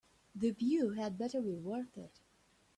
The view had better be worth it.